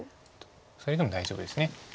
それでも大丈夫です。